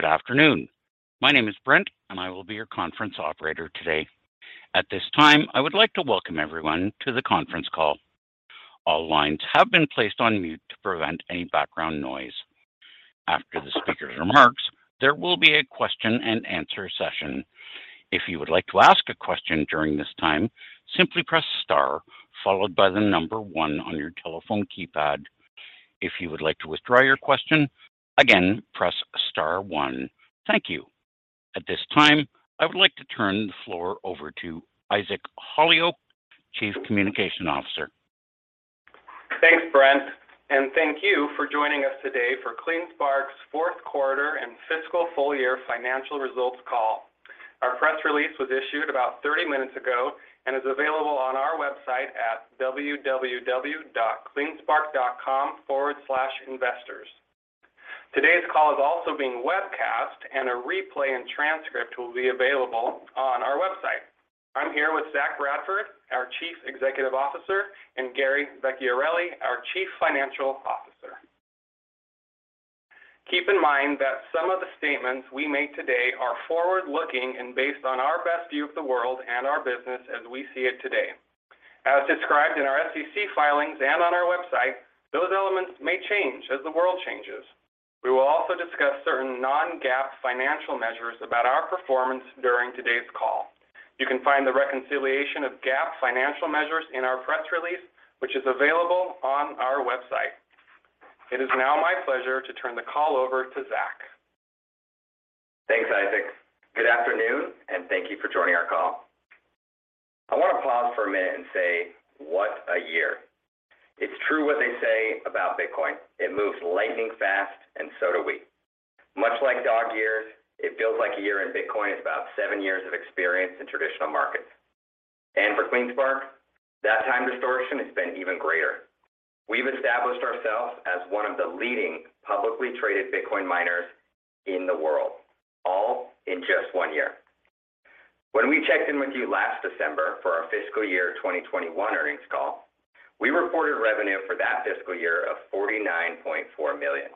Good afternoon. My name is Brent, and I will be your conference operator today. At this time, I would like to welcome everyone to the conference call. All lines have been placed on mute to prevent any background noise. After the speaker's remarks, there will be a question-and-answer session. If you would like to ask a question during this time, simply press star followed by the number one on your telephone keypad. If you would like to withdraw your question, again, press star one. Thank you. At this time, I would like to turn the floor over to Isaac Holyoak, Chief Communications Officer. Thank you for joining us today for CleanSpark's fourth quarter and fiscal full-year financial results call. Our press release was issued about 30 minutes ago and is available on our website at www.cleanspark.com/investors. Today's call is also being webcast, and a replay and transcript will be available on our website. I'm here with Zach Bradford, our Chief Executive Officer, and Gary Vecchiarelli, our Chief Financial Officer. Keep in mind that some of the statements we make today are forward-looking and based on our best view of the world and our business as we see it today. As described in our SEC filings and on our website, those elements may change as the world changes. We will also discuss certain non-GAAP financial measures about our performance during today's call. You can find the reconciliation of GAAP financial measures in our press release, which is available on our website. It is now my pleasure to turn the call over to Zach. Thanks, Isaac. Good afternoon, thank you for joining our call. I want to pause for a minute and say, what a year. It's true what they say about Bitcoin. It moves lightning fast, so do we. Much like dog years, it feels like a year in Bitcoin is about seven years of experience in traditional markets. For CleanSpark, that time distortion has been even greater. We've established ourselves as one of the leading publicly traded Bitcoin miners in the world, all in just one year. When we checked in with you last December for our fiscal year 2021 earnings call, we reported revenue for that fiscal year of $49.4 million.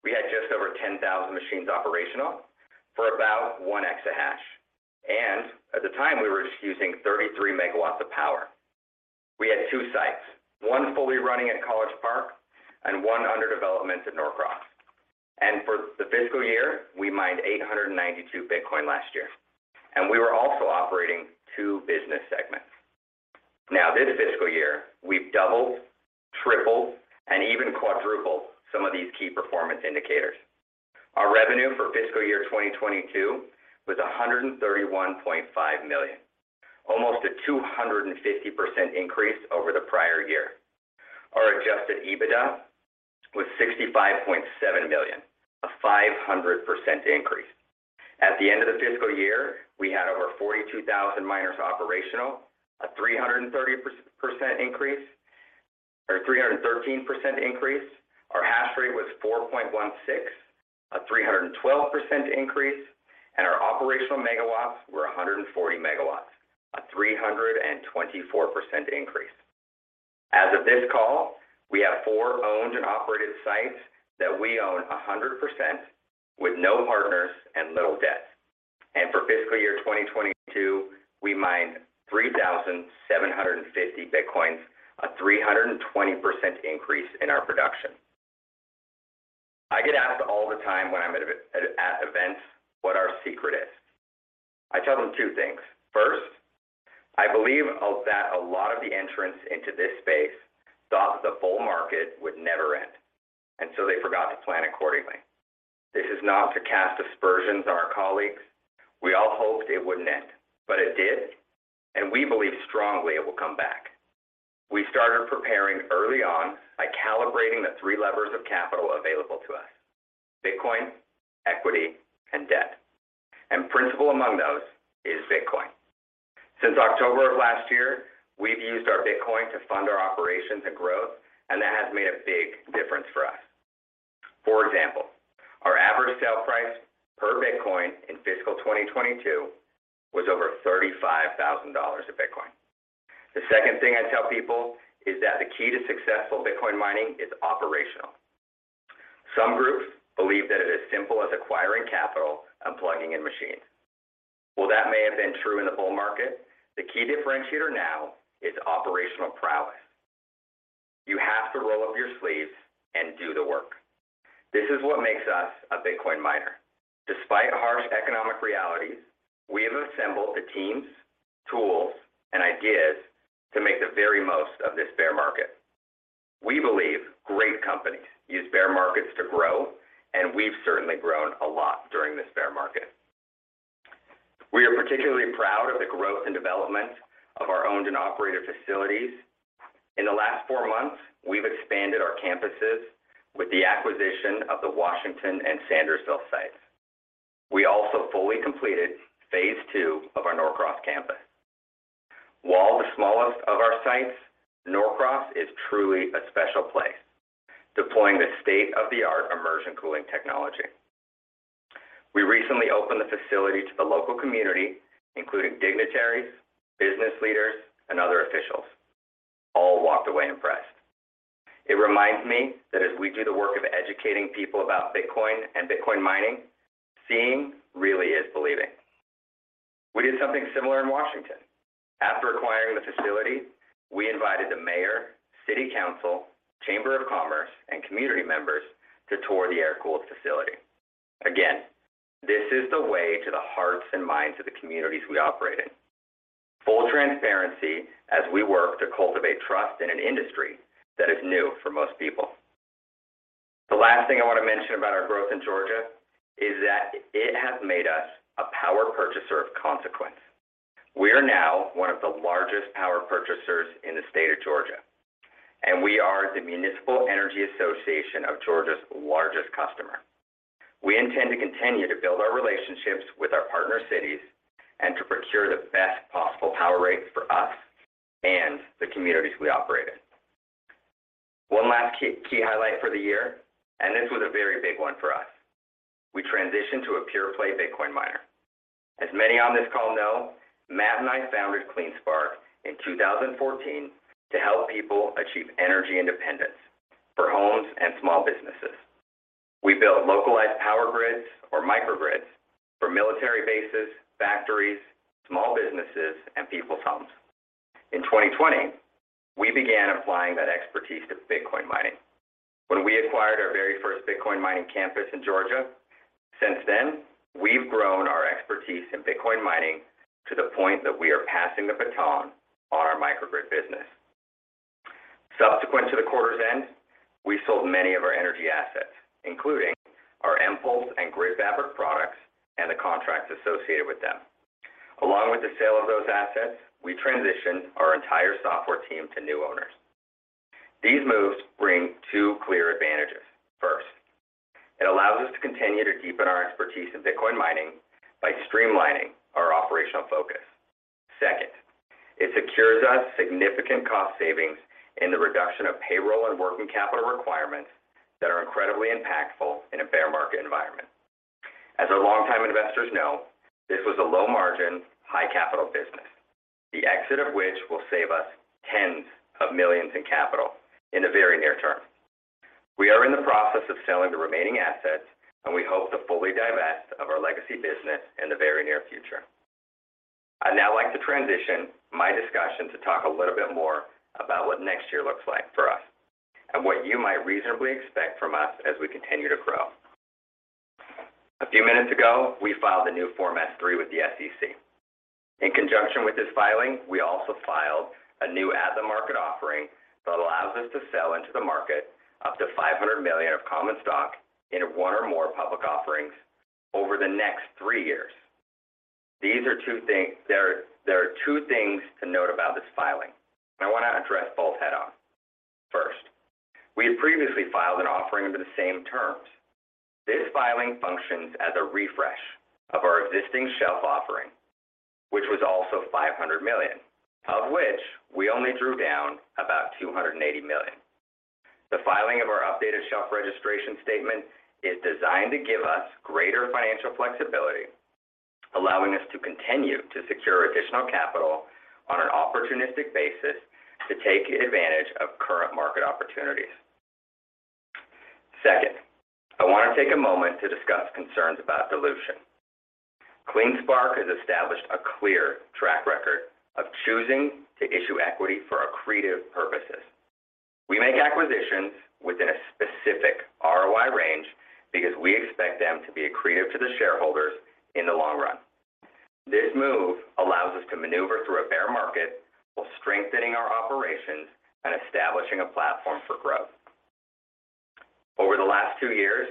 We had just over 10,000 machines operational for about one exahash. At the time, we were using 33 megawatts of power. We had two sites, one fully running at College Park and one under development at Norcross. For the fiscal year, we mined 892 Bitcoin last year, and we were also operating two business segments. This fiscal year, we've doubled, tripled, and even quadrupled some of these key performance indicators. Our revenue for fiscal year 2022 was $131.5 million, almost a 250% increase over the prior year. Our adjusted EBITDA was $65.7 million, a 500% increase. At the end of the fiscal year, we had over 42,000 miners operational, a 313% increase. Our hash rate was 4.16, a 312% increase. Our operational megawatts were 140 megawatts, a 324% increase. As of this call, we have four owned and operated sites that we own 100% with no partners and little debt. For fiscal year 2022, we mined 3,750 Bitcoins, a 320% increase in our production. I get asked all the time when I'm at events what our secret is. I tell them two things. First, I believe of that a lot of the entrants into this space thought the bull market would never end. They forgot to plan accordingly. This is not to cast aspersions on our colleagues. We all hoped it wouldn't end, but it did. We believe strongly it will come back. We started preparing early on by calibrating the 3 levers of capital available to us: Bitcoin, equity, and debt. Principal among those is Bitcoin. Since October of last year, we've used our Bitcoin to fund our operations and growth. That has made a big difference for us. For example, our average sale price per Bitcoin in fiscal 2022 was over $35,000 a Bitcoin. The second thing I tell people is that the key to successful Bitcoin mining is operational. Some groups believe that it is simple as acquiring capital and plugging in machines. While that may have been true in the bull market, the key differentiator now is operational prowess. You have to roll up your sleeves and do the work. This is what makes us a Bitcoin miner. Despite harsh economic realities, we have assembled the teams, tools, and ideas to make the very most of this bear market. We believe great companies use bear markets to grow, and we've certainly grown a lot during this bear market. We are particularly proud of the growth and development of our owned and operated facilities. In the last four months, we've expanded our campuses with the acquisition of the Washington and Sandersville sites. We also fully completed phase two of our Norcross campus. While the smallest of our sites, Norcross is truly a special place, deploying the state-of-the-art immersion cooling technology. We recently opened the facility to the local community, including dignitaries, business leaders, and other officials. Walked away impressed. It reminds me that as we do the work of educating people about Bitcoin and Bitcoin mining, seeing really is believing. We did something similar in Washington. After acquiring the facility, we invited the mayor, city council, chamber of commerce, and community members to tour the air-cooled facility. Again, this is the way to the hearts and minds of the communities we operate in. Full transparency as we work to cultivate trust in an industry that is new for most people. The last thing I want to mention about our growth in Georgia is that it has made us a power purchaser of consequence. We are now one of the largest power purchasers in the state of Georgia, and we are the Municipal Electric Authority of Georgia's largest customer. We intend to continue to build our relationships with our partner cities and to procure the best possible power rates for us and the communities we operate in. One last key highlight for the year, and this was a very big one for us. We transitioned to a pure-play Bitcoin miner. As many on this call know, Matt and I founded CleanSpark in 2014 to help people achieve energy independence for homes and small businesses. We built localized power grids or microgrids for military bases, factories, small businesses, and people's homes. In 2020, we began applying that expertise to Bitcoin mining when we acquired our very first Bitcoin mining campus in Georgia. Since then, we've grown our expertise in Bitcoin mining to the point that we are passing the baton on our microgrid business. Subsequent to the quarter's end, we sold many of our energy assets, including our mPulse and GridFabric products and the contracts associated with them. Along with the sale of those assets, we transitioned our entire software team to new owners. These moves bring two clear advantages. First, it allows us to continue to deepen our expertise in Bitcoin mining by streamlining our operational focus. Second, it secures us significant cost savings in the reduction of payroll and working capital requirements that are incredibly impactful in a bear market environment. As our longtime investors know, this was a low-margin, high-capital business, the exit of which will save us $tens of millions in capital in the very near term. We are in the process of selling the remaining assets, and we hope to fully divest of our legacy business in the very near future. I'd now like to transition my discussion to talk a little bit more about what next year looks like for us and what you might reasonably expect from us as we continue to grow. A few minutes ago, we filed a new Form S-3 with the SEC. In conjunction with this filing, we also filed a new at-the-market offering that allows us to sell into the market up to $500 million of common stock in one or more public offerings over the next three years. There are two things to note about this filing. I want to address both head-on. First, we had previously filed an offering under the same terms. This filing functions as a refresh of our existing shelf offering, which was also $500 million, of which we only drew down about $280 million. The filing of our updated shelf registration statement is designed to give us greater financial flexibility, allowing us to continue to secure additional capital on an opportunistic basis to take advantage of current market opportunities. Second, I want to take a moment to discuss concerns about dilution. CleanSpark has established a clear track record of choosing to issue equity for accretive purposes. We make acquisitions within a specific ROI range because we expect them to be accretive to the shareholders in the long run. This move allows us to maneuver through a bear market while strengthening our operations and establishing a platform for growth. Over the last two years,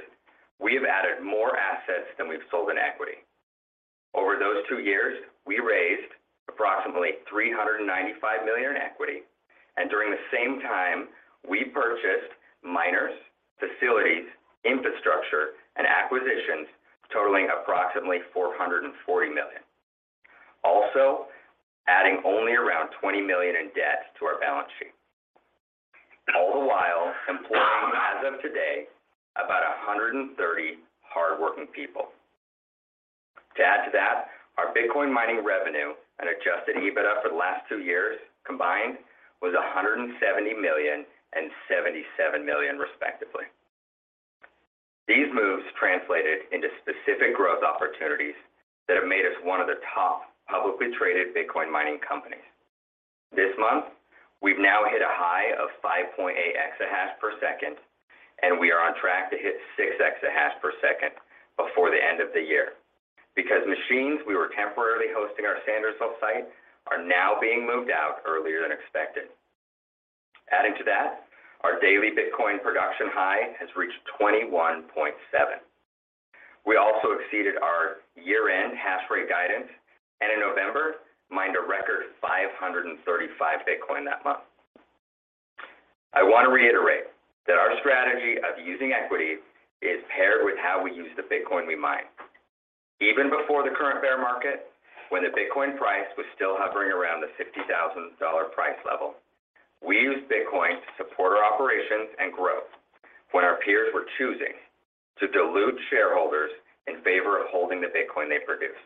we have added more assets than we've sold in equity. Over those two years, we raised approximately $395 million in equity. During the same time, we purchased miners, facilities, infrastructure, and acquisitions totaling approximately $440 million. Adding only around $20 million in debt to our balance sheet. All the while employing, as of today, about 130 hardworking people. To add to that, our Bitcoin mining revenue and adjusted EBITDA for the last two years combined was $170 million and $77 million respectively. These moves translated into specific growth opportunities that have made us one of the top publicly traded Bitcoin mining companies. This month, we've now hit a high of 5.8 exahash per second. We are on track to hit 6 exahash per second before the end of the year because machines we were temporarily hosting at Sandersville site are now being moved out earlier than expected. Adding to that, our daily Bitcoin production high has reached 21.7. We also exceeded our year-end hash rate guidance and in November mined a record 535 Bitcoin that month. I want to reiterate that our strategy of using equity is paired with how we use the Bitcoin we mine. Even before the current bear market, when the Bitcoin price was still hovering around the $50,000 price level, we used BitcoinOperations and growth when our peers were choosing to dilute shareholders in favor of holding the Bitcoin they produce.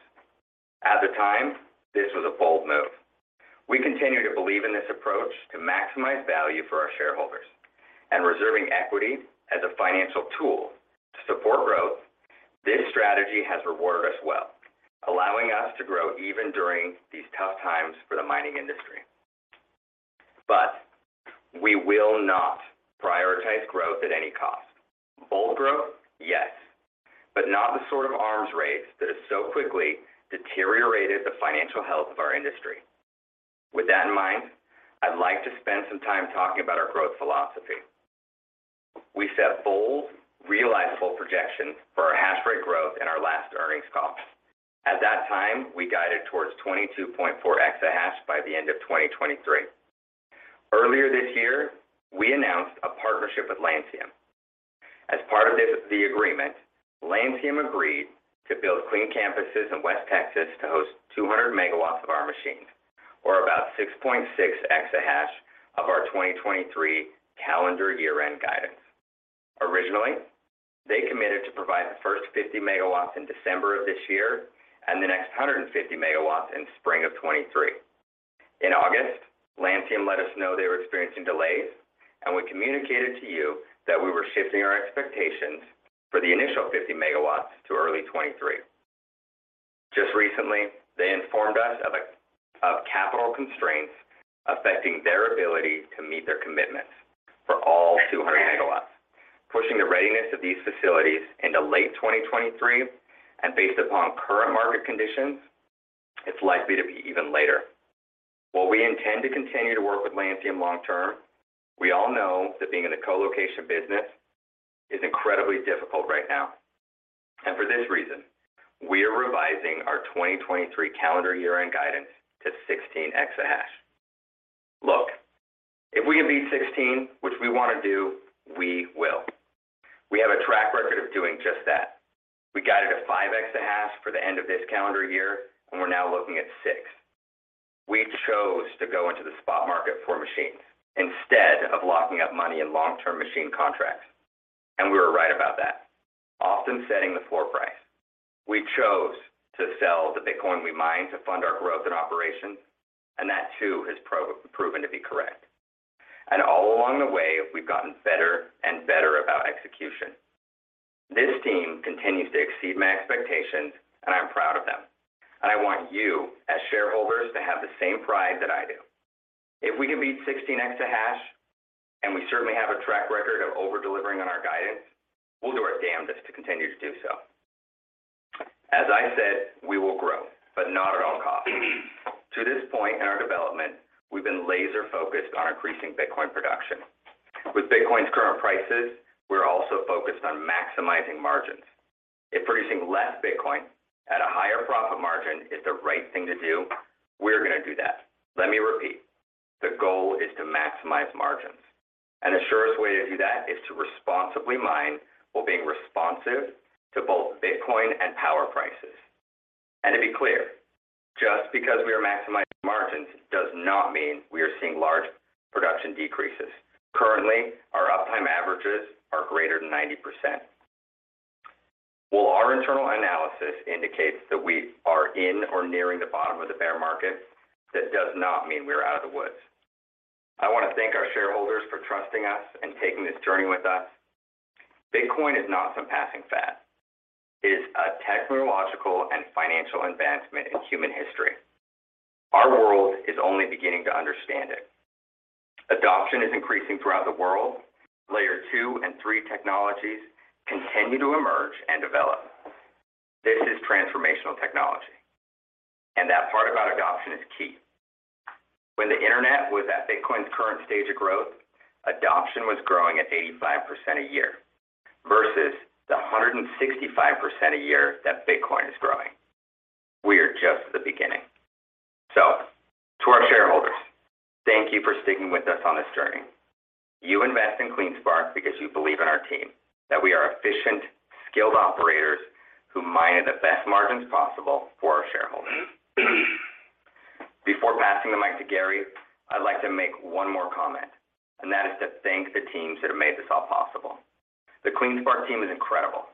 At the time, this was a bold move. We continue to believe in this approach to maximize value for our shareholders and reserving equity as a financial tool to support growth. This strategy has rewarded us well, allowing us to grow even during these tough times for the mining industry. We will not prioritize growth at any cost. Bold growth, yes, but not the sort of arms race that has so quickly deteriorated the financial health of our industry. With that in mind, I'd like to spend some time talking about our growth philosophy. We set bold, realizable projections for our hash rate growth in our last earnings call. At that time, we guided towards 22.4 exahash by the end of 2023. Earlier this year, we announced a partnership with Lancium. As part of the agreement, Lancium agreed to build clean campuses in West Texas to host 200 megawatts of our machines, or about 6.6 exahash of our 2023 calendar year-end guidance. Originally, they committed to provide the first 50 megawatts in December of this year and the next 150 megawatts in spring of 2023. In August, Lancium let us know they were experiencing delays, and we communicated to you that we were shifting our expectations for the initial 50 megawatts to early 2023. Just recently, they informed us of capital constraints affecting their ability to meet their commitments for all 200 megawatts, pushing the readiness of these facilities into late 2023, and based upon current market conditions, it's likely to be even later. While we intend to continue to work with Lancium long term, we all know that being in the co-location business is incredibly difficult right now. For this reason, we are revising our 2023 calendar year-end guidance to 16 exahash. Look, if we can beat 16, which we want to do, we will. We have a track record of doing just that. We guided at 5 exahash for the end of this calendar year, and we're now looking at 6. We chose to go into the spot market for machines instead of locking up money in long-term machine contracts. We were right about that, often setting the floor price. We chose to sell the Bitcoin we mine to fund our growth and operations, and that too has proven to be correct. All along the way, we've gotten better and better about execution. This team continues to exceed my expectations, I'm proud of them. I want you as shareholders to have the same pride that I do. If we can beat 16 exahash, we certainly have a track record of over-delivering on our guidance, we'll do our damnedest to continue to do so. As I said, we will grow, but not at all costs. To this point in our development, we've been laser-focused on increasing Bitcoin production. With Bitcoin's current prices, we're also focused on maximizing margins. If producing less Bitcoin at a higher profit margin is the right thing to do, we're going to do that. Let me repeat. The goal is to maximize margins. The surest way to do that is to responsibly mine while being responsive to both Bitcoin and power prices. To be clear, just because we are maximizing margins does not mean we are seeing large production decreases. Currently, our uptime averages are greater than 90%. While our internal analysis indicates that we are in or nearing the bottom of the bear market, that does not mean we're out of the woods. I want to thank our shareholders for trusting us and taking this journey with us. Bitcoin is not some passing fad. It is a technological and financial advancement in human history. Our world is only beginning to understand it. Adoption is increasing throughout the world. Layer 2 and Layer 3 technologies continue to emerge and develop. This is transformational technology, and that part about adoption is key. When the internet was at Bitcoin's current stage of growth, adoption was growing at 85% a year versus the 165% a year that Bitcoin is growing. We are just at the beginning. To our shareholders, thank you for sticking with us on this journey. You invest in CleanSpark because you believe in our team, that we are efficient, skilled operators who mine at the best margins possible for our shareholders. Before passing the mic to Gary, I'd like to make one more comment, and that is to thank the teams that have made this all possible. The CleanSpark team is incredible.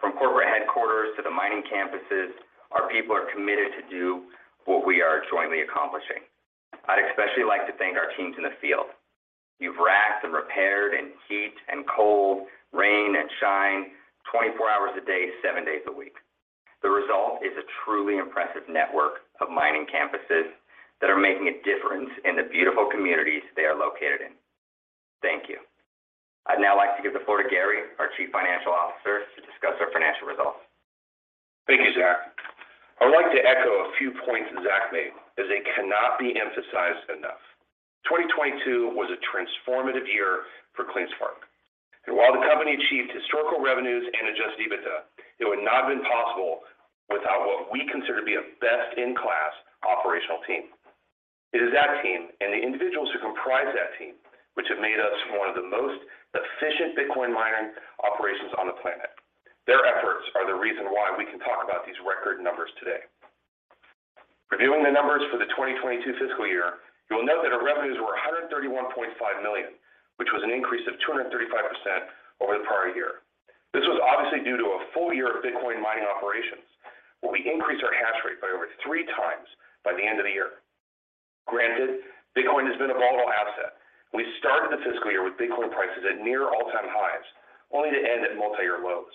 From corporate headquarters to the mining campuses, our people are committed to do what we are jointly accomplishing. I'd especially like to thank our teams in the field. You've racked and repaired in heat and cold, rain and shine, 24 hours a day, 7 days a week. The result is a truly impressive network of mining campuses that are making a difference in the beautiful communities they are located in. Thank you. I'd now like to give the floor to Gary, our Chief Financial Officer, to discuss our financial results. Thank you, Zach. I'd like to echo a few points Zach made, as they cannot be emphasized enough. 2022 was a transformative year for CleanSpark. While the company achieved historical revenues and adjusted EBITDA, it would not have been possible without what we consider to be a best-in-class operational team. It is that team and the individuals who comprise that team which have made us one of the most efficient Bitcoin mining operations on the planet. Their efforts are the reason why we can talk about these record numbers today. Reviewing the numbers for the 2022 fiscal year, you will note that our revenues were $131.5 million, which was an increase of 235% over the prior year. This was obviously due to a full year of Bitcoin mining operations, where we increased our hash rate by over 3 times by the end of the year. Granted, Bitcoin has been a volatile asset. We started the fiscal year with Bitcoin prices at near all-time highs, only to end at multi-year lows.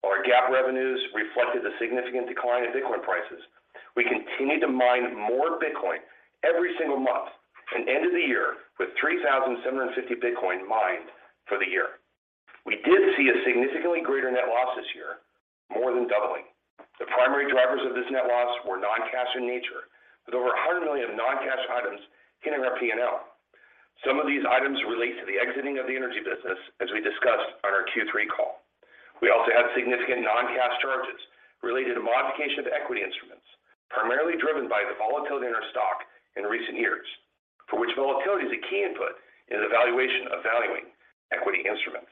While our GAAP revenues reflected a significant decline in Bitcoin prices, we continued to mine more Bitcoin every single month and end of the year with 3,750 Bitcoin mined for the year. We did see a significantly greater net loss this year, more than doubling. The primary drivers of this net loss were non-cash in nature, with over $100 million of non-cash items hitting our P&L. Some of these items relate to the exiting of the energy business, as we discussed on our Q3 call. We also had significant non-cash charges related to modification of equity instruments, primarily driven by the volatility in our stock in recent years, for which volatility is a key input in the valuation of valuing equity instruments.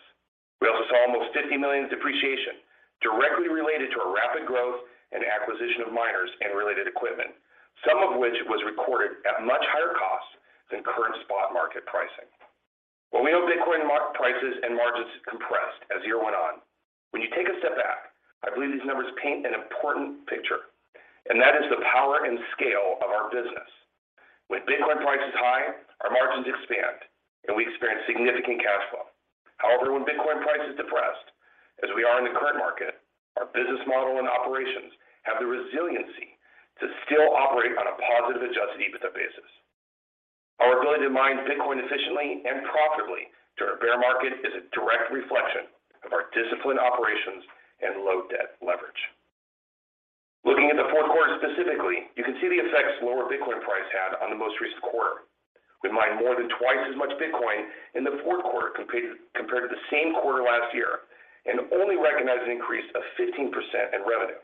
We also saw almost $50 million in depreciation directly related to our rapid growth and acquisition of miners and related equipment, some of which was recorded at much higher costs than current spot market pricing. While we know Bitcoin prices and margins compressed as the year went on, when you take a step back, I believe these numbers paint an important picture, and that is the power and scale of our business. When Bitcoin price is high, our margins expand, and we experience significant cash flow. When Bitcoin price is depressed, as we are in the current market, our business model and operations have the resiliency to still operate on a positive adjusted EBITDA basis. Our ability to mine Bitcoin efficiently and profitably during a bear market is a direct reflection of our disciplined operations and low debt leverage. Looking at the fourth quarter specifically, you can see the effects lower Bitcoin price had on the most recent quarter. We mined more than twice as much Bitcoin in the fourth quarter compared to the same quarter last year and only recognized an increase of 15% in revenue.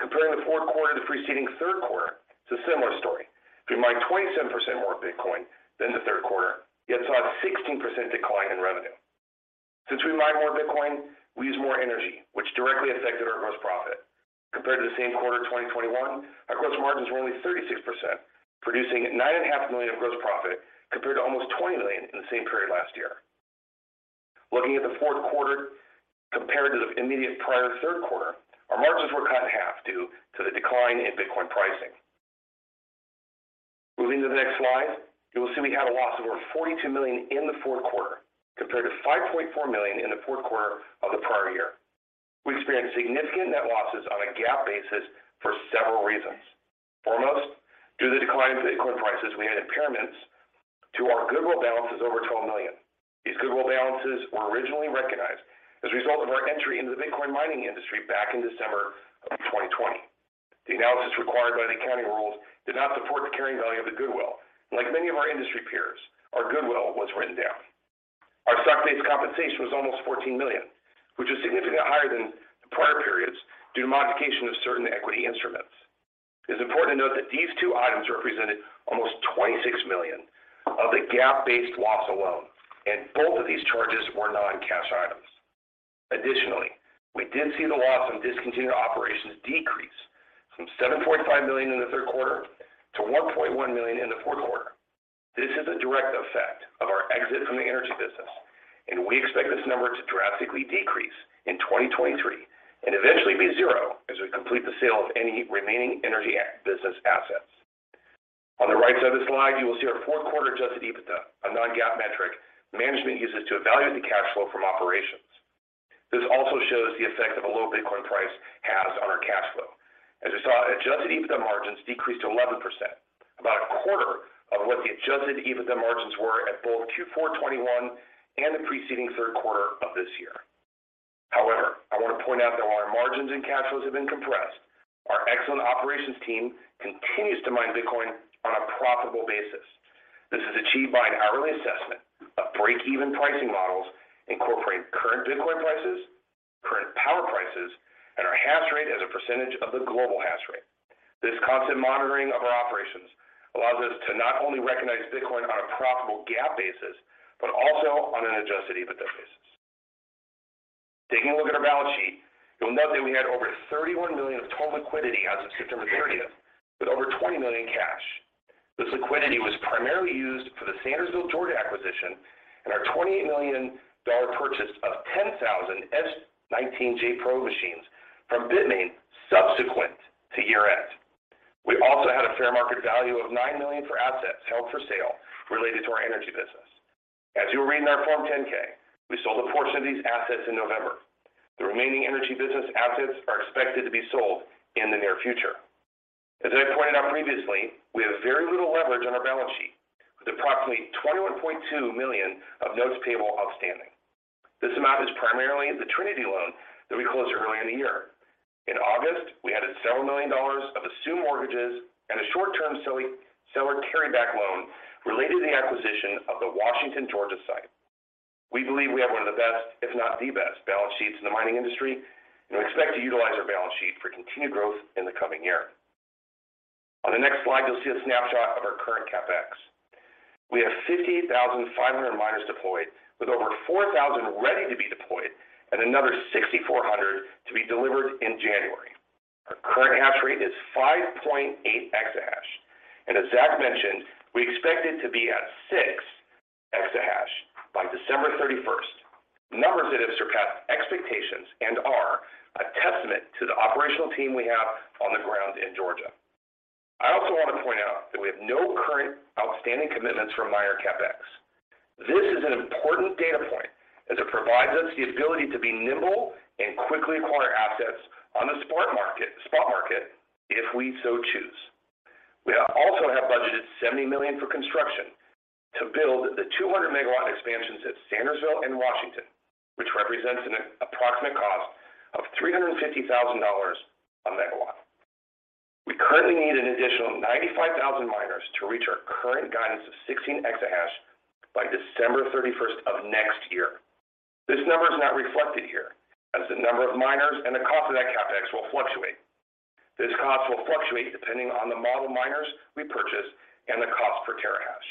Comparing the fourth quarter to preceding third quarter, it's a similar story. We mined 27% more Bitcoin than the third quarter, yet saw a 16% decline in revenue. We mine more Bitcoin, we use more energy, which directly affected our gross profit. Compared to the same quarter in 2021, our gross margins were only 36%, producing nine and a half million of gross profit, compared to almost $20 million in the same period last year. Looking at the fourth quarter compared to the immediate prior third quarter, our margins were cut in half due to the decline in Bitcoin pricing. Moving to the next slide, you will see we had a loss of over $42 million in the fourth quarter, compared to $5.4 million in the fourth quarter of the prior year. We experienced significant net losses on a GAAP basis for several reasons. Foremost, due to the decline in Bitcoin prices, we had impairments to our goodwill balances over $12 million. These goodwill balances were originally recognized as a result of our entry into the Bitcoin mining industry back in December of 2020. The analysis required by the accounting rules did not support the carrying value of the goodwill. Like many of our industry peers, our goodwill was written down. Our stock-based compensation was almost $14 million, which is significantly higher than the prior periods due to modification of certain equity instruments. It's important to note that these two items represented almost $26 million of the GAAP-based loss alone, and both of these charges were non-cash items. Additionally, we did see the loss on discontinued operations decrease from $7.5 million in the third quarter to $1.1 million in the fourth quarter. This is a direct effect of our exit from the energy business, and we expect this number to drastically decrease in 2023 and eventually be zero as we complete the sale of any remaining energy business assets. On the right side of the slide, you will see our fourth-quarter adjusted EBITDA, a non-GAAP metric management uses to evaluate the cash flow from operations. This also shows the effect that a low Bitcoin price has on our cash flow. As you saw, adjusted EBITDA margins decreased to 11%, about a quarter of what the adjusted EBITDA margins were at both Q4 '21 and the preceding third quarter of this year. However, I want to point out that while our margins and cash flows have been compressed, our excellent operations team continues to mine Bitcoin on a profitable basis. This is achieved by an hourly assessment of break-even pricing models incorporating current Bitcoin prices, current power prices, and our hash rate as a percentage of the global hash rate. This constant monitoring of our operations allows us to not only recognize Bitcoin on a profitable GAAP basis but also on an adjusted EBITDA basis. Taking a look at our balance sheet, you'll note that we had over $31 million of total liquidity as of September thirtieth, with over $20 million cash. This liquidity was primarily used for the Sandersville, Georgia acquisition and our $28 million purchase of 10,000 S19j Pro machines from Bitmain subsequent to year-end. We also had a fair market value of $9 million for assets held for sale related to our energy business. As you'll read in our Form 10-K, we sold a portion of these assets in November. The remaining energy business assets are expected to be sold in the near future. As I pointed out previously, we have very little leverage on our balance sheet, with approximately $21.2 million of notes payable outstanding. This amount is primarily the Trinity loan that we closed earlier in the year. In August, we had to sell $1 million of assumed mortgages and a short-term seller carry-back loan related to the acquisition of the Washington, Georgia site. We believe we have one of the best, if not the best, balance sheets in the mining industry, and we expect to utilize our balance sheet for continued growth in the coming year. On the next slide, you'll see a snapshot of our current CapEx. We have 58,500 miners deployed with over 4,000 ready to be deployed and another 6,400 to be delivered in January. Our current hash rate is 5.8 exahash. As Zach mentioned, we expect it to be at 6 exahash by December 31st. Numbers that have surpassed expectations and are a testament to the operational team we have on the ground in Georgia. I also want to point out that we have no current outstanding commitments from miner CapEx. This is an important data point as it provides us the ability to be nimble and quickly acquire assets on the spot market if we so choose. We also have budgeted $70 million for construction to build the 200 megawatt expansions at Sandersville and Washington, which represents an approximate cost of $350,000 a megawatt. We currently need an additional 95,000 miners to reach our current guidance of 16 exahash by December 31st of next year. This number is not reflected here as the number of miners and the cost of that CapEx will fluctuate. This cost will fluctuate depending on the model miners we purchase and the cost per terahash.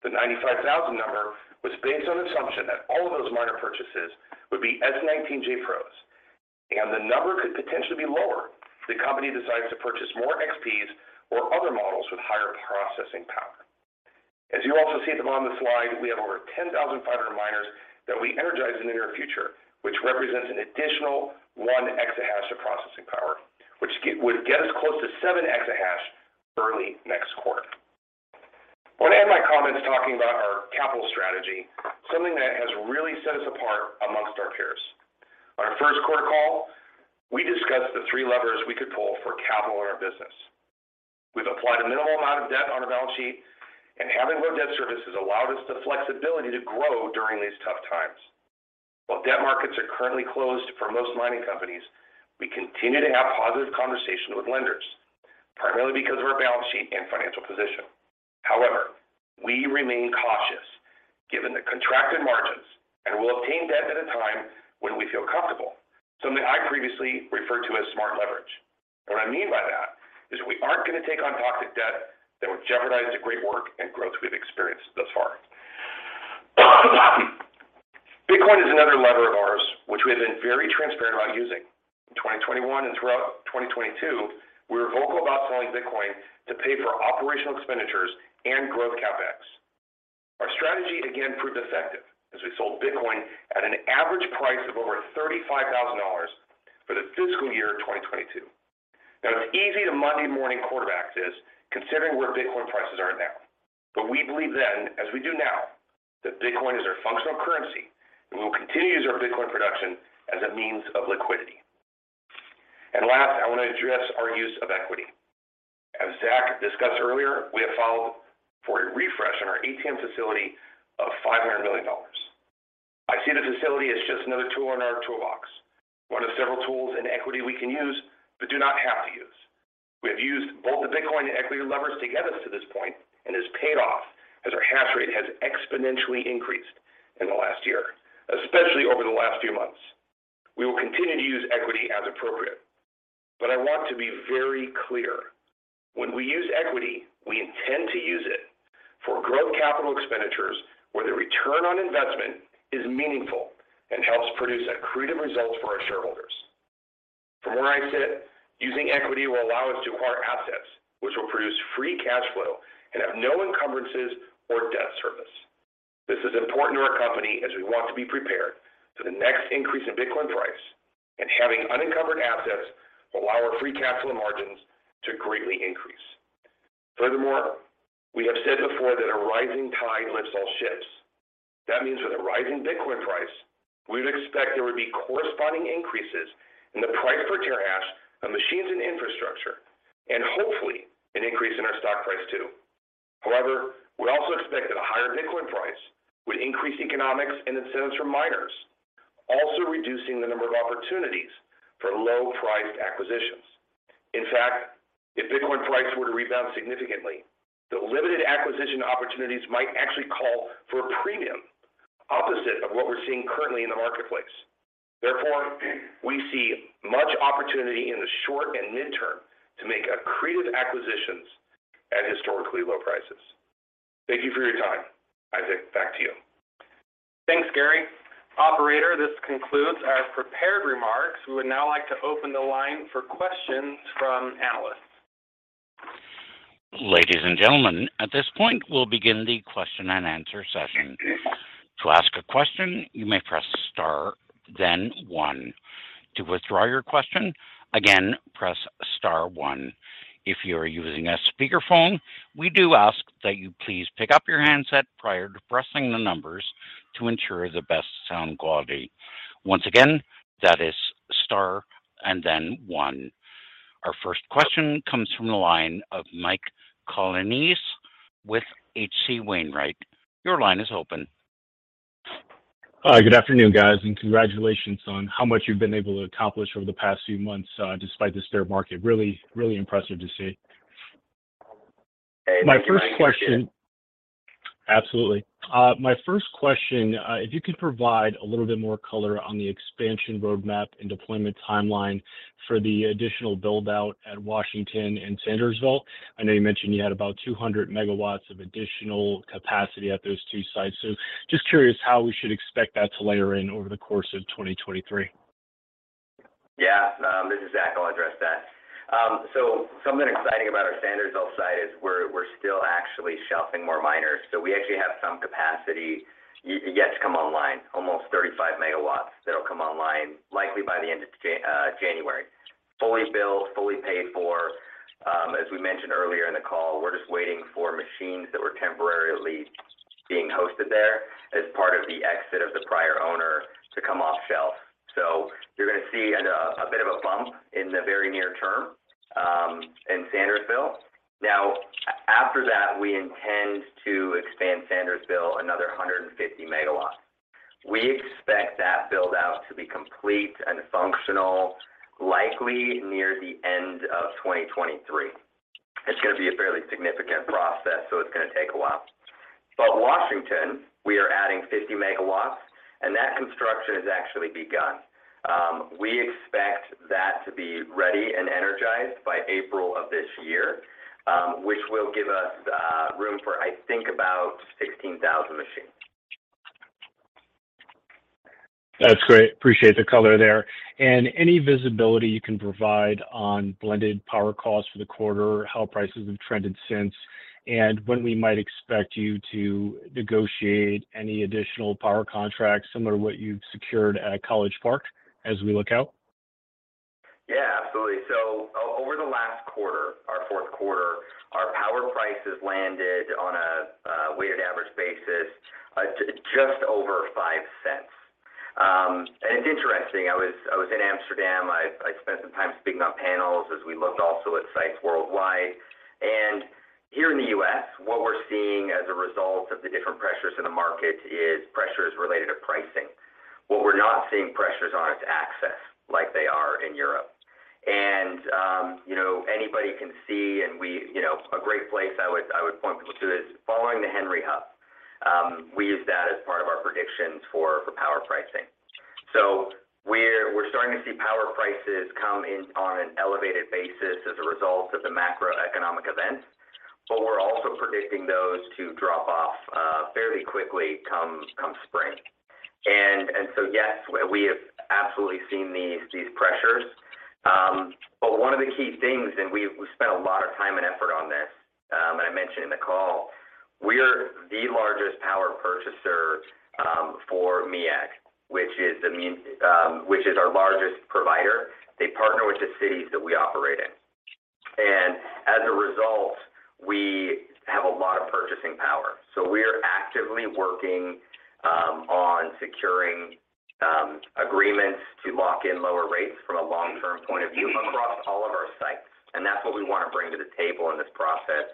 The 95,000 number was based on assumption that all of those miner purchases would be S19j Pros, and the number could potentially be lower if the company decides to purchase more XPs or other models with higher processing power. As you also see at the bottom of the slide, we have over 10,500 miners that we energize in the near future, which represents an additional 1 exahash of processing power, which would get us close to 7 exahash early next quarter. I want to end my comments talking about our capital strategy, something that has really set us apart amongst our peers. On our first quarter call, we discussed the three levers we could pull for capital in our business. We've applied a minimal amount of debt on our balance sheet, and having low debt services allowed us the flexibility to grow during these tough times. While debt markets are currently closed for most mining companies, we continue to have positive conversation with lenders, primarily because of our balance sheet and financial position. However, we remain cautious given the contracted margins, and we'll obtain debt at a time when we feel comfortable, something I previously referred to as smart leverage. What I mean by that is we aren't going to take on toxic debt that would jeopardize the great work and growth we've experienced thus far. Bitcoin is another lever of ours which we have been very transparent about using. In 2021 and throughout 2022, we were vocal about selling Bitcoin to pay for operational expenditures and growth CapEx. Our strategy again proved effective as we sold Bitcoin at an average price of over $35,000 for the fiscal year of 2022. It's easy to Monday morning quarterback this considering where Bitcoin prices are now. We believe then, as we do now, that Bitcoin is our functional currency, and we will continue to use our Bitcoin production as a means of liquidity. Last, I want to address our use of equity. As Zach discussed earlier, we have filed for a refresh on our ATM facility of $500 million. I see the facility as just another tool in our toolbox. One of several tools and equity we can use but do not have to use. We have used both the Bitcoin and equity levers to get us to this point, and it's paid off as our hash rate has exponentially increased in the last year, especially over the last few months. We will continue to use equity as appropriate. I want to be very clear. When we use equity, we intend to use it for growth capital expenditures, where the return on investment is meaningful and helps produce accretive results for our shareholders. From where I sit, using equity will allow us to acquire assets which will produce free cash flow and have no encumbrances or debt service. This is important to our company as we want to be prepared for the next increase in Bitcoin price and having unencumbered assets will allow our free cash flow margins to greatly increase. Furthermore, we have said before that a rising tide lifts all ships. That means with a rise in Bitcoin price, we'd expect there would be corresponding increases in the price per terahash of machines and infrastructure, and hopefully an increase in our stock price too. However, we also expect that a higher Bitcoin price would increase economics and incentives for miners, also reducing the number of opportunities for low-priced acquisitions. In fact, if Bitcoin price were to rebound significantly, the limited acquisition opportunities might actually call for a premium opposite of what we're seeing currently in the marketplace. Therefore, we see much opportunity in the short and mid-term to make accretive acquisitions at historically low prices. Thank you for your time. Isaac, back to you. Thanks, Gary. Operator, this concludes our prepared remarks. We would now like to open the line for questions from analysts. Ladies and gentlemen, at this point, we'll begin the question and answer session. To ask a question, you may press star then one. To withdraw your question, again, press star one. If you are using a speakerphone, we do ask that you please pick up your handset prior to pressing the numbers to ensure the best sound quality. Once again, that is star and then one. Our first question comes from the line of Mike Colonnese with H.C. Wainwright. Your line is open. Hi. Good afternoon, guys, and congratulations on how much you've been able to accomplish over the past few months, despite this bear market. Really, really impressive to see. Absolutely. My first question, if you could provide a little bit more color on the expansion roadmap and deployment timeline for the additional build-out at Washington and Sandersville. I know you mentioned you had about 200 megawatts of additional capacity at those two sites. Just curious how we should expect that to layer in over the course of 2023. This is Zach. I'll address that. Something exciting about our Sandersville site is we're still actually shelfing more miners. We actually have some capacity yet to come online, almost 35 megawatts that'll come online likely by the end of January. Fully built, fully paid for. As we mentioned earlier in the call, we're just waiting for machines that were temporarily being hosted there as part of the exit of the prior owner to come off shelf. You're gonna see a bit of a bump in the very near term, in Sandersville. After that, we intend to expand Sandersville another 150 megawatts. We expect that build-out to be complete and functional likely near the end of 2023. It's gonna be a fairly significant process, it's gonna take a while. Washington, we are adding 50 megawatts, and that construction has actually begun. We expect that to be ready and energized by April of this year, which will give us room for, I think, about 16,000 machines. That's great. Appreciate the color there. Any visibility you can provide on blended power costs for the quarter, how prices have trended since, and when we might expect you to negotiate any additional power contracts similar to what you've secured at College Park as we look out? Yeah, absolutely. over the last quarter, our fourth quarter, our power prices landed on a weighted average basis, just over $0.05. It's interesting. I was in Amsterdam. I spent some time speaking on panels as we looked also at sites worldwide. Here in the U.S., what we're seeing as a result of the different pressures in the market is pressures related to pricing. What we're not seeing pressures on is access like they are in Europe. You know, anybody can see, and we You know, a great place I would point people to is following the Henry Hub. We use that as part of our predictions for power pricing. We're starting to see power prices come in on an elevated basis as a result of the macroeconomic events, but we're also predicting those to drop off fairly quickly come spring. Yes, we have absolutely seen these pressures. But one of the key things, and we spent a lot of time and effort on this, and I mentioned in the call, we're the largest power purchaser for MEAG Power, which is our largest provider. They partner with the cities that we operate in. As a result, we have a lot of purchasing power. We're actively working on securing agreements to lock in lower rates from a long-term point of view across all of our sites. That's what we wanna bring to the table in this process,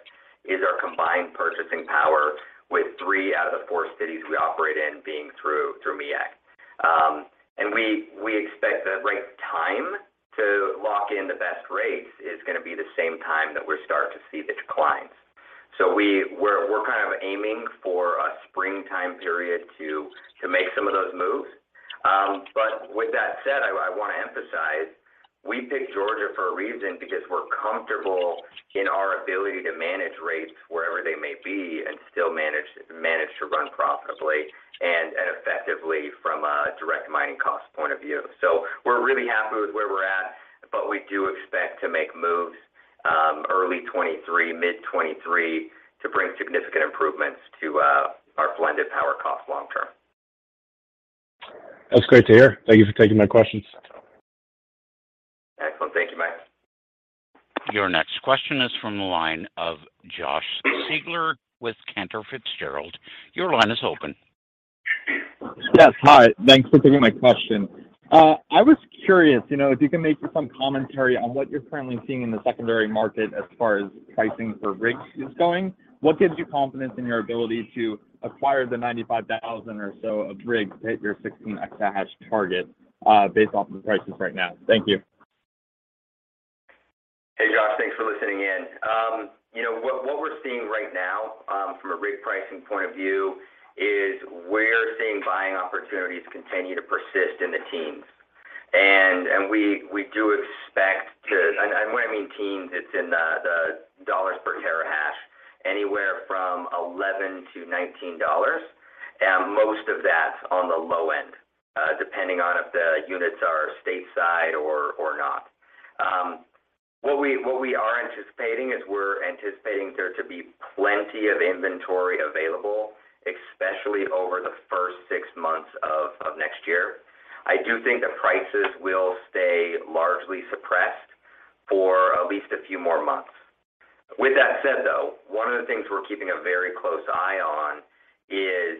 is our combined purchasing power with three out of the four cities we operate in being through MEAG. We expect the right time to lock in the best rates is gonna be the same time that we're starting to see the declines. We're kind of aiming for a springtime period to make some of those moves. With that said, I wanna emphasize, we picked Georgia for a reason because we're comfortable in our ability to manage rates wherever they may be and still manage to run profitably and effectively from a direct mining cost point of view. We're really happy with where we're at, but we do expect to make moves, early 2023, mid 2023 to bring significant improvements to our blended power cost long term. That's great to hear. Thank you for taking my questions. Excellent. Thank you, Mike. Your next question is from the line of Josh Siegler with Cantor Fitzgerald. Your line is open. Yes. Hi. Thanks for taking my question. I was curious, you know, if you can make some commentary on what you're currently seeing in the secondary market as far as pricing for rigs is going. What gives you confidence in your ability to acquire the 95,000 or so of rigs to hit your 16 exahash target, based off of the prices right now? Thank you. Hey, Josh. Thanks for listening in. You know what we're seeing right now, from a rig pricing point of view is we're seeing buying opportunities continue to persist in the teens. When I mean teens, it's in the dollars per terahash, anywhere from $11-$19. Most of that's on the low end, depending on if the units are stateside or not. What we are anticipating is we're anticipating there to be plenty of inventory available, especially over the first 6 months of next year. I do think the prices will stay largely suppressed for at least a few more months. With that said, though, one of the things we're keeping a very close eye on is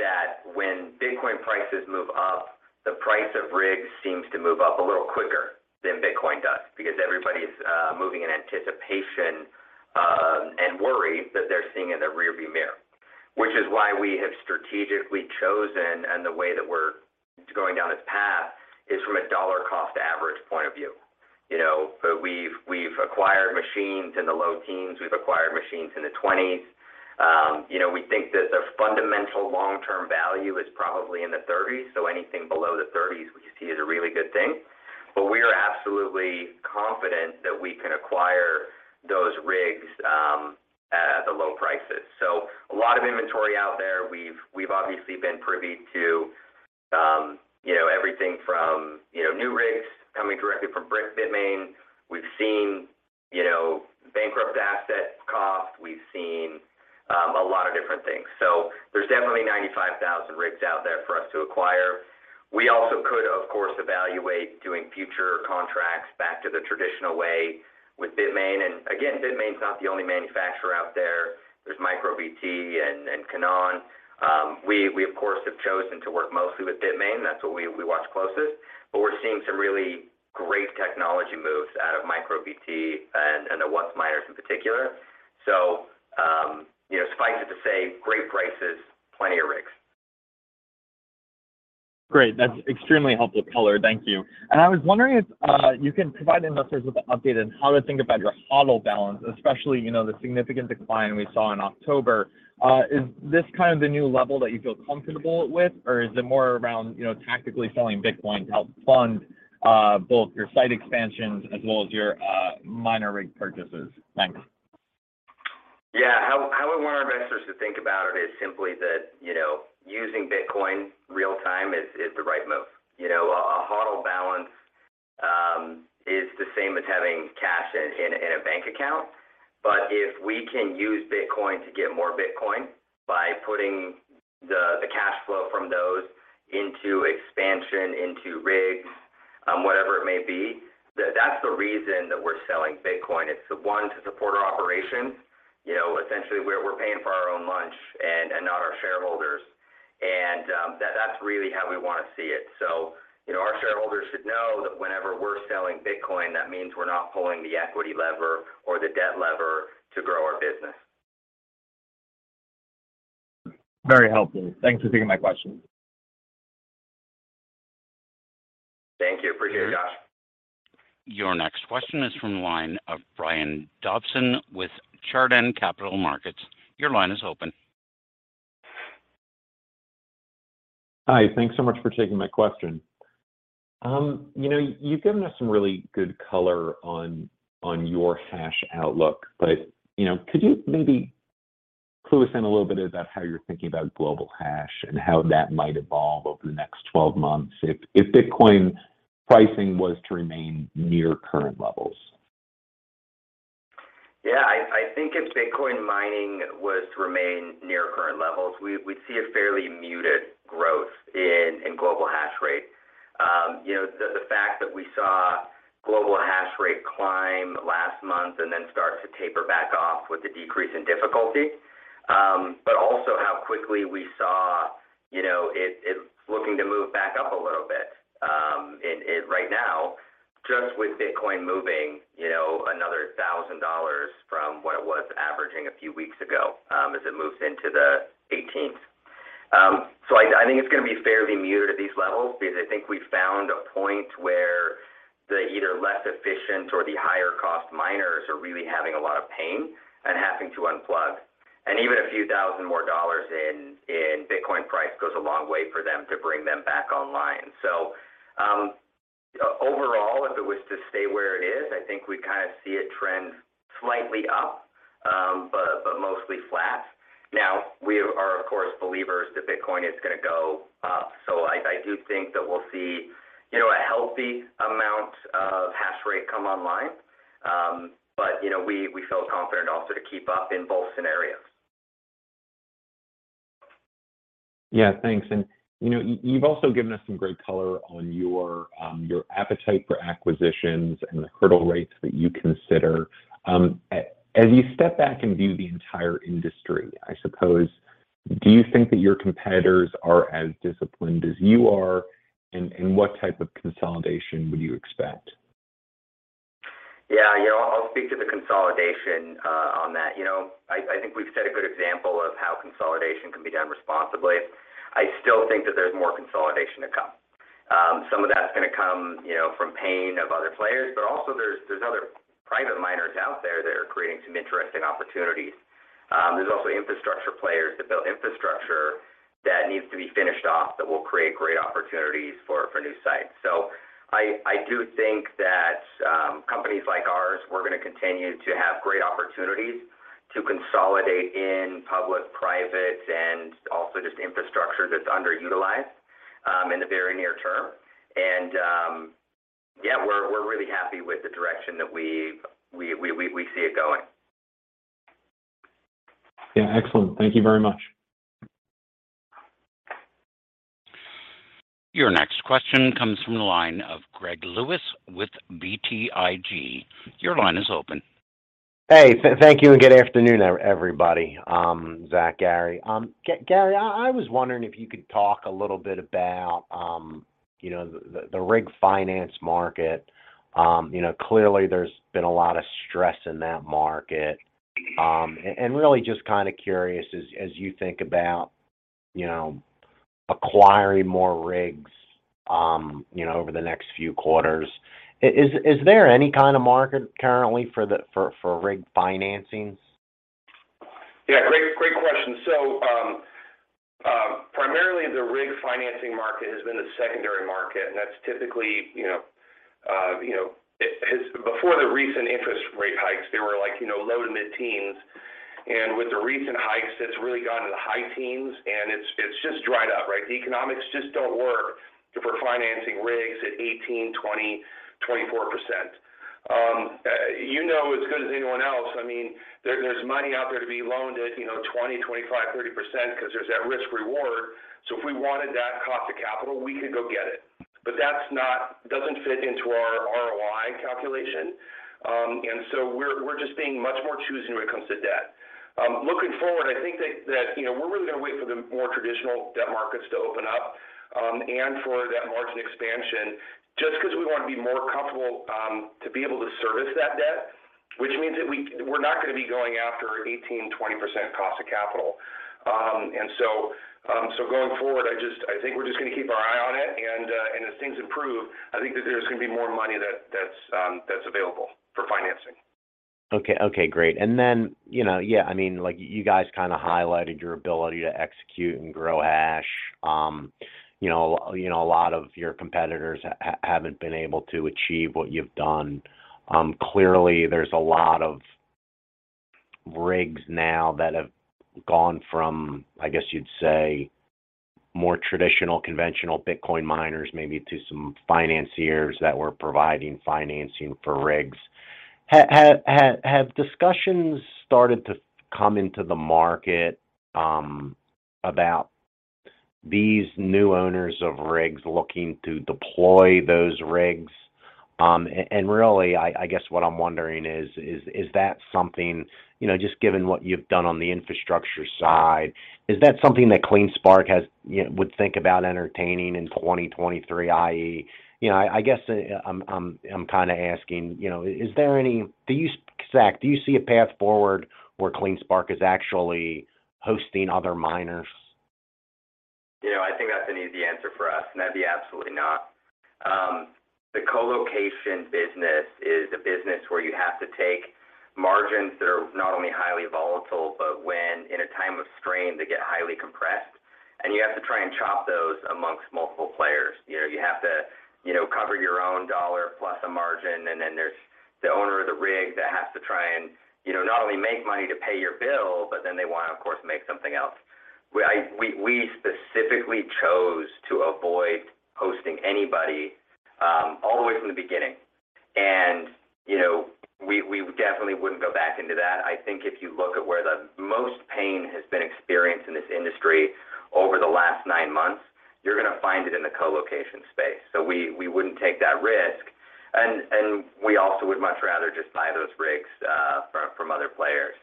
that when Bitcoin prices move up, the price of rigs seems to move up a little quicker than Bitcoin does because everybody's moving in anticipation and worry that they're seeing in their rearview mirror. Which is why we have strategically chosen and the way that we're going down this path is from a dollar cost average point of view. You know, but we've acquired machines in the low teens, we've acquired machines in the twenties. You know, we think that their fundamental long-term value is probably in the thirties. Anything below the thirties we see as a really good thing. We are absolutely confident that we can acquire those rigs at the low prices. A lot of inventory out there. We've obviously been privy to, you know, everything from, you know, new rigs coming directly from Bitmain. We've seen, you know, bankrupt assets cost. We've seen a lot of different things. There's definitely 95,000 rigs out there for us to acquire. We also could, of course, evaluate doing future contracts back to the traditional way with Bitmain. Again, Bitmain's not the only manufacturer out there. There's MicroBT and Canaan. We of course have chosen to work mostly with Bitmain. That's what we watch closest. But we're seeing some really great technology moves out of MicroBT and the WhatsMiner in particular. You know, suffice it to say, great prices, plenty of rigs. Great. That's extremely helpful color. Thank you. I was wondering if you can provide investors with an update on how to think about your HODL balance, especially, you know, the significant decline we saw in October. Is this kind of the new level that you feel comfortable with? Or is it more around, you know, tactically selling Bitcoin to help fund both your site expansions as well as your miner rig purchases? Thanks. Yeah. How we want our investors to think about it is simply that, you know, using Bitcoin real time is the right move. You know, a HODL balance is the same as having cash in a bank account. If we can use Bitcoin to get more Bitcoin by putting the cash flow from those into expansion, into rigs, whatever it may be, that's the reason that we're selling Bitcoin. It's one to support our operations. You know, essentially we're paying for our own lunch and not our shareholders. That's really how we wanna see it. You know, our shareholders should know that whenever we're selling Bitcoin, that means we're not pulling the equity lever or the debt lever to grow our business. Very helpful. Thanks for taking my question. Thank you. Appreciate it, Josh. Your next question is from the line of Brian Dobson with Chardan Capital Markets. Your line is open. Hi. Thanks so much for taking my question. You know, you've given us some really good color on your hash outlook, you know, could you maybe clue us in a little bit about how you're thinking about global hash and how that might evolve over the next 12 months if Bitcoin pricing was to remain near current levels? I think if Bitcoin mining was to remain near current levels, we'd see a fairly muted growth in global hash rate. You know, the fact that we saw global hash rate climb last month and then start to taper back off with the decrease in difficulty, but also how quickly we saw, you know, it looking to move back up a little bit, and right now just with Bitcoin moving, you know, another $1,000 from what it was averaging a few weeks ago, as it moves into the 18th. I think it's gonna be fairly muted at these levels because I think we found a point where the either less efficient or the higher cost miners are really having a lot of pain and having to unplug. Even a few thousand more dollars in Bitcoin price goes a long way for them to bring them back online. Overall, if it was to stay where it is, I think we'd kinda see it trend slightly up, but mostly flat. We are of course believers that Bitcoin is gonna go up. I do think that we'll see, you know, a healthy amount of hash rate come online. But you know, we feel confident also to keep up in both scenarios. Yeah, thanks. You know, you've also given us some great color on your appetite for acquisitions and the hurdle rates that you consider. As you step back and view the entire industry, I suppose, do you think that your competitors are as disciplined as you are? What type of consolidation would you expect? Yeah. You know, I'll speak to the consolidation on that. You know, I think we've set a good example of how consolidation can be done responsibly. I still think that there's more consolidation to come. Some of that's gonna come, you know, from pain of other players, but also there's other private miners out there that are creating some interesting opportunities. There's also infrastructure players that build infrastructure that needs to be finished off that will create great opportunities for new sites. I do think that companies like ours, we're gonna continue to have great opportunities to consolidate in public, private, and also just infrastructure that's underutilized in the very near term. Yeah, we're really happy with the direction that we see it going. Yeah. Excellent. Thank you very much. Your next question comes from the line of Greg Lewis with BTIG. Your line is open. Hey. Thank you and good afternoon, everybody, Zach, Gary. Gary, I was wondering if you could talk a little bit about, you know, the rig finance market. Really just kinda curious as you think about. You know, acquiring more rigs, you know, over the next few quarters. Is there any kind of market currently for rig financings? Yeah, great question. Primarily the rig financing market has been a secondary market, and that's typically, you know, you know, Before the recent interest rate hikes, they were like, you know, low to mid-teens, and with the recent hikes, it's really gone to the high teens, and it's just dried up, right? The economics just don't work for financing rigs at 18%, 20%, 24%. You know as good as anyone else, I mean, there's money out there to be loaned at, you know, 20%, 25%, 30% because there's that risk reward. If we wanted that cost of capital, we could go get it. That doesn't fit into our ROI calculation. We're just being much more choosy when it comes to debt. Looking forward, I think that, you know, we're really gonna wait for the more traditional debt markets to open up and for that margin expansion just 'cause we wanna be more comfortable to be able to service that debt, which means that we're not gonna be going after 18%, 20% cost of capital. Going forward, I think we're just gonna keep our eye on it and as things improve, I think that there's gonna be more money that's available for financing. Okay. Okay, great. Then, you know, yeah, I mean, like you guys kinda highlighted your ability to execute and grow hash. You know, a lot of your competitors haven't been able to achieve what you've done. Clearly there's a lot of rigs now that have gone from, I guess you'd say, more traditional, conventional Bitcoin miners maybe to some financiers that were providing financing for rigs. Have discussions started to come into the market, about these new owners of rigs looking to deploy those rigs? Really I guess what I'm wondering is that something... You know, just given what you've done on the infrastructure side, is that something that CleanSpark has would think about entertaining in 2023, i.e., you know, I guess I'm kinda asking, you know, do you Zach, do you see a path forward where CleanSpark is actually hosting other miners? You know, I think that's an easy answer for us, that'd be absolutely not. The co-location business is a business where you have to take margins that are not only highly volatile, but when in a time of strain, they get highly compressed. You have to try and chop those amongst multiple players. You know, you have to, you know, cover your own dollar plus a margin, and then there's the owner of the rig that has to try and, you know, not only make money to pay your bill, but then they wanna, of course, make something else. We specifically chose to avoid hosting anybody all the way from the beginning. You know, we definitely wouldn't go back into that. I think if you look at where the most pain has been experienced in this industry over the last nine months, you're gonna find it in the co-location space. We wouldn't take that risk. We also would much rather just buy those rigs from other players.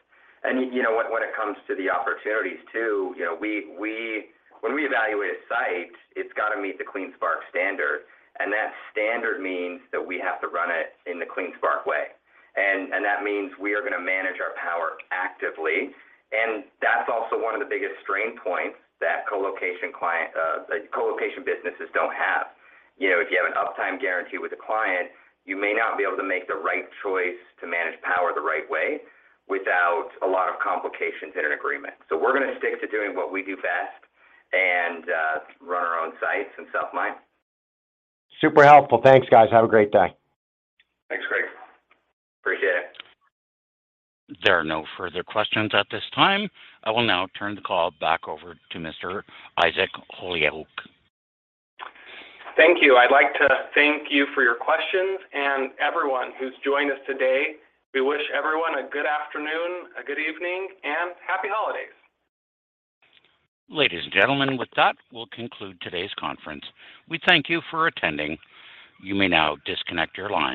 You know, when it comes to the opportunities too, you know, when we evaluate a site, it's gotta meet the CleanSpark standard, and that standard means that we have to run it in the CleanSpark way. That means we are gonna manage our power actively. That's also one of the biggest strain points that co-location businesses don't have. You know, if you have an uptime guarantee with a client, you may not be able to make the right choice to manage power the right way without a lot of complications in an agreement. We're gonna stick to doing what we do best and run our own sites and self-mine. Super helpful. Thanks, guys. Have a great day. Thanks, Greg. Appreciate it. There are no further questions at this time. I will now turn the call back over to Mr. Isaac Holyoak. Thank you. I'd like to thank you for your questions and everyone who's joined us today. We wish everyone a good afternoon, a good evening, and happy holidays. Ladies and gentlemen, with that, we'll conclude today's conference. We thank you for attending. You may now disconnect your lines.